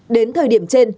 đến thời điểm trên